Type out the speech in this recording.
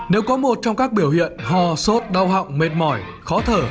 nếu có một trong các biểu hiện ho sốt đau họng mệt mỏi khó thở